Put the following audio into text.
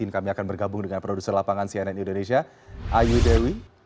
kami akan bergabung dengan produser lapangan cnn indonesia ayu dewi